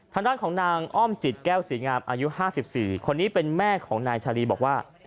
ทางด้านของนางอ้อมจิตแก้วศรีงามอายุ๕๔คนนี้เป็นแม่ของนายชาลีบอกว่า